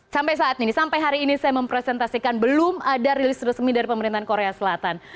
sampai saat ini sampai hari ini saya mempresentasikan belum ada rilis resmi dari pemerintahan korea selatan